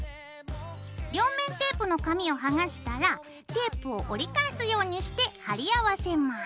両面テープの紙を剥がしたらテープを折り返すようにして貼り合わせます。